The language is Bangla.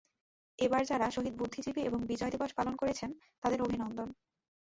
এবার যাঁরা শহীদ বুদ্ধিজীবী এবং বিজয় দিবস পালন করেছেন তাঁদের অভিনন্দন।